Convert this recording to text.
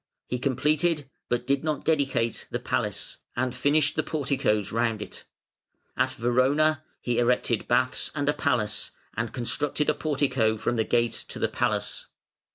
He completed, but did not dedicate, the palace, and finished the porticoes round it. At Verona he erected baths and a palace, and constructed a portico from the gate to the palace.